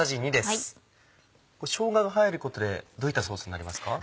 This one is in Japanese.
これしょうがが入ることでどういったソースになりますか？